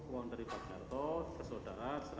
uang dari pak gerto